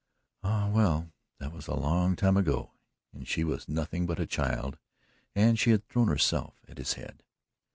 Ah, well, that was a long time ago and she was nothing but a child and she had thrown herself at his head.